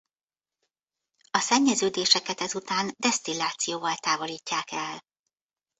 A szennyeződéseket ezután desztillációval távolítják el.